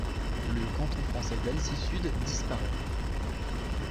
Le canton français d'Annecy-Sud disparait.